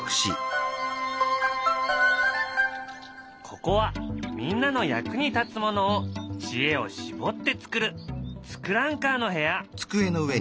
ここはみんなの役に立つものを知恵をしぼって作る「ツクランカー」の部屋。